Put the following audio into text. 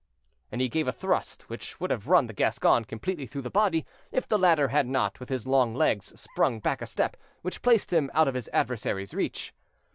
And he gave a thrust which would have run the Gascon completely through the body, if the latter had not, with his long legs, sprung back a step, which placed him out of his adversary's reach.